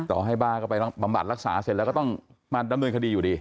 ต่อให้บ้าก็ไปบำบัดรักษาเสร็จแล้วก็ต้องมาดำเนินคดีอยู่ดี